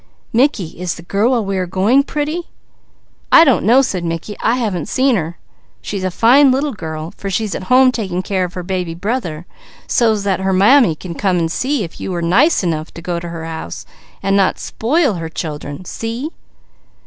"Mickey, is the girl where we are going pretty?" "I don't know," said Mickey. "I haven't seen her. She's a fine little girl, for she's at home taking care of her baby brother so's that her mammy can come and see if you are nice enough to go to her house and not spoil her children. See?"